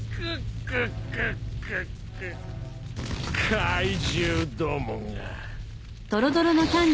怪獣どもが。